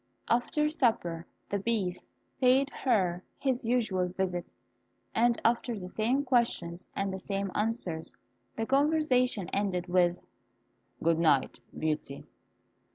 After supper, the Beast paid her his usual visit, and after the same questions and the same answers, the conversation ended with a "Good night, Beauty."